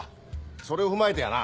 それを踏まえてやな